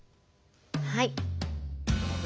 はい。